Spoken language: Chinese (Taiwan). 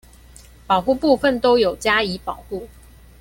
保護部分都有加以保護